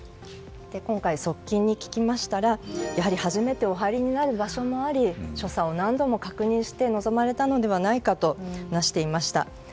今回側近に聞きましたら初めてお入りになる場所もあり所作を何度も確認して臨まれたのではないかと話していました。